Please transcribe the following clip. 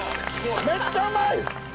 めっちゃうまい！